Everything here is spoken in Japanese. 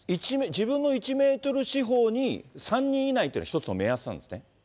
自分の１メートル四方に、３人以内ってのが一つの目安なんですね。